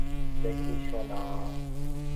দেখি, সোনা।